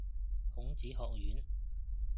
孔子學院